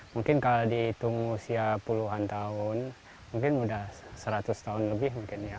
mungkin kalau dihitung usia puluhan tahun mungkin sudah seratus tahun lebih mungkin ya